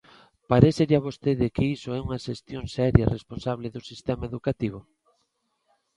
¿Parécelle a vostede que iso é unha xestión seria e responsable do sistema educativo?